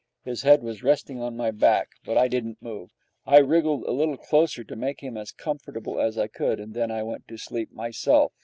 His head was resting on my back, but I didn't move. I wriggled a little closer to make him as comfortable as I could, and then I went to sleep myself.